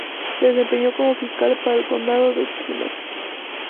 Se desempeñó como fiscal para el condado de Knox.